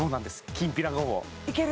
きんぴらごぼういける？